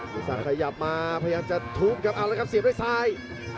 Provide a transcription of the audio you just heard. กิศักดิ์ทะเละทะเลี่ยบมาพยายามจะถูกกับเอาเลยครับเสียบด้วยซ้าย